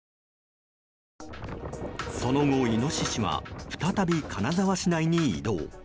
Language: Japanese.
その後、イノシシは再び金沢市内に移動。